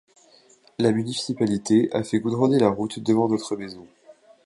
la municipalité a fait goudronner la route devant notre maison.